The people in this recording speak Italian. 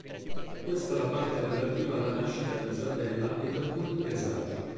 Questa la parte relativa alla nascita di Isabella ed alcuni presagi.